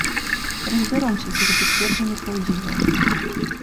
Разбяромся, ці гэта сцверджанне праўдзівае.